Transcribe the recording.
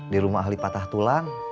di rumah ahli patah tulang